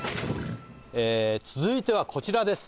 続いてはこちらです